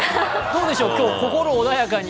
どうでしょう、今日、心穏やかに